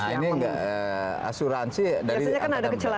ini nggak asuransi dari angkatan udara